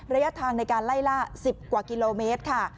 ระยะทางในการไล่ล่า๑๐กว่ากิโลเมตรค่ะ